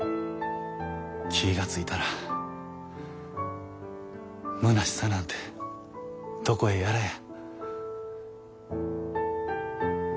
気が付いたらむなしさなんてどこへやらや。